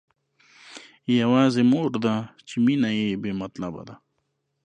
يوازې مور ده چې مينه يې بې مطلبه ده.